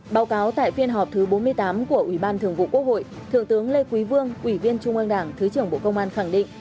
báo cáo tại phiên họp thứ bốn mươi tám của ủy ban thường vụ quốc hội thượng tướng lê quý vương ủy viên trung ương đảng thứ trưởng bộ công an khẳng định